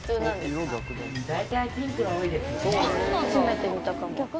初めて見たかも。